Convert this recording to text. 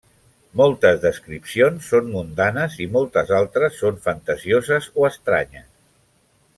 Moltes descripcions són mundanes i moltes altres són fantasioses o estranyes.